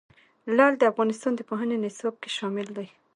لعل د افغانستان د پوهنې نصاب کې شامل دي.